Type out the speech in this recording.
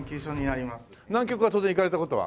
南極は当然行かれた事は？